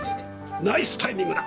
ナイスタイミングだ。